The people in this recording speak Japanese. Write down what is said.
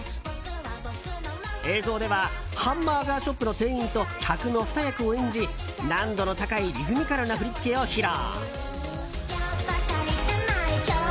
映像ではハンバーガーショップの店員と客のふた役を演じ難度の高いリズミカルな振り付けを披露。